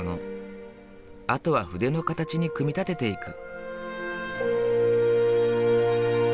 あとは筆の形に組み立てていく。